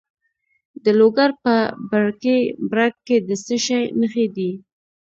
د لوګر په برکي برک کې د څه شي نښې دي؟